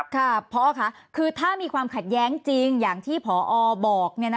ค่ะพอค่ะคือถ้ามีความขัดแย้งจริงอย่างที่พอบอก